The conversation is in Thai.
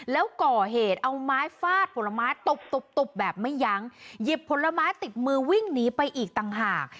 แล้วก่อเหตุเอาไม้ฟาดผลไม้ตบตุบตบแบบไม่ยั้งหยิบผลไม้ติดมือวิ่งหนีไปอีกต่างหาก